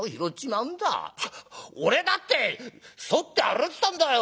「俺だって反って歩ってたんだよ。